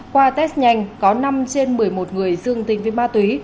qua test nhanh có năm trên một mươi một người dương tính với ma túy